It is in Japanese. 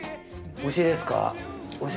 おいしいです。